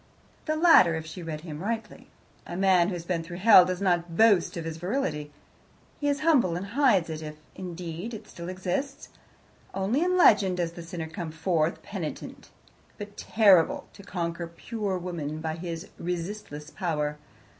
The latter, if she read him rightly. A man who has been through hell does not boast of his virility. He is humble and hides it, if, indeed, it still exists. Only in legend does the sinner come forth penitent, but terrible, to conquer pure woman by his resistless power.